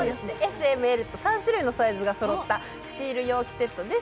Ｓ・Ｍ・Ｌと３種類の大きさがそろったシール容器セットです。